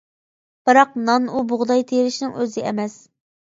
بىراق نان ئۇ بۇغداي تېرىشنىڭ ئۆزى ئەمەس.